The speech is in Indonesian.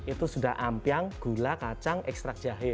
itu sudah ampiang gula kacang ekstrak jahe